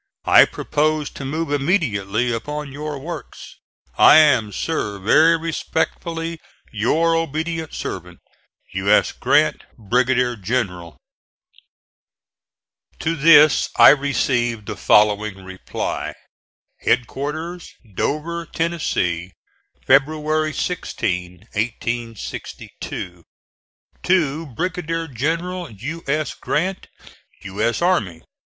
I propose to move immediately upon your works. I am, sir, very respectfully, Your ob't se'v't, U. S. GRANT, Brig. Gen. To this I received the following reply: HEADQUARTERS, DOVER, TENNESSEE, February 16, 1862. To Brig. Gen'l U. S. GRANT, U. S. Army.